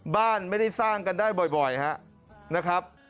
บ้านไม่ได้สร้างกันได้บ่อยนะครับ